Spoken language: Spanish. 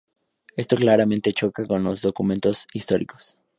Esto claramente choca con los documentos históricos.